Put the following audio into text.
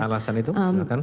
alasan itu silahkan